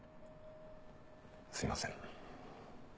すいません。